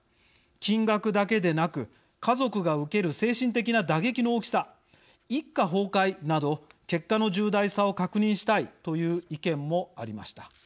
金額だけでなく、家族が受ける精神的な打撃の大きさ一家崩壊など結果の重大さを確認したいという意見もありました。